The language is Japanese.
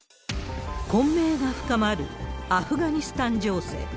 混迷が深まるアフガニスタン情勢。